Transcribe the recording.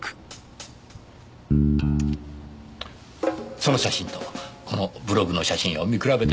その写真とこのブログの写真を見比べてみてください。